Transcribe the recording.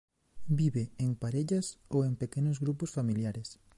Vive en parellas ou en pequenos grupos familiares.